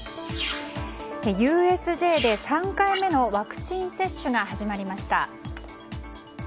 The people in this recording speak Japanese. ＵＳＪで３回目のワクチン接種が始まりました。